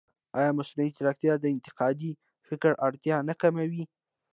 ایا مصنوعي ځیرکتیا د انتقادي فکر اړتیا نه کموي؟